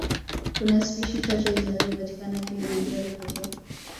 Kuna spishi chache zinazopatikana Kilimanjaro pekee